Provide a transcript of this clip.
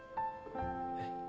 えっ？